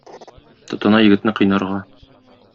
Тотына егетне кыйнарга.